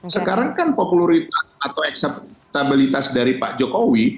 sekarang kan populeritas atau ekstabilitas dari pak jokowi